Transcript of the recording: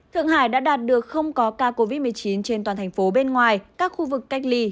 thượng hải đã đạt được không có ca covid một mươi chín trên toàn thành phố bên ngoài các khu vực cách ly